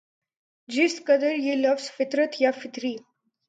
جس قدر یہ لفظ فطرت یا فطری